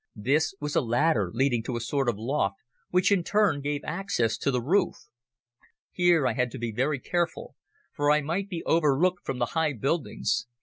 This was a ladder leading to a sort of loft, which in turn gave access to the roof. Here I had to be very careful, for I might be overlooked from the high buildings.